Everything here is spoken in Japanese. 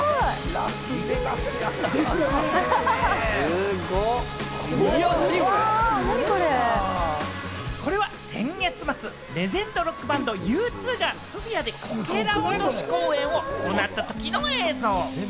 すごい！これは先月末、レジェンドロックバンド・Ｕ２が、スフィアでこけら落とし公演を行ったときの映像。